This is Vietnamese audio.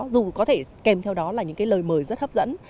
dù có thể kèm theo đó là những cái lời mời rất hấp dẫn